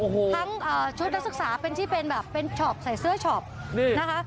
ทั้งชุดนักศึกษาเป็นที่เป็นแบบเป็นช็อปใส่เสื้อช็อปนี่นะคะ